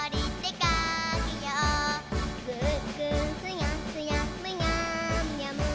「ぐーぐーすやすやむにゃむにゃむ」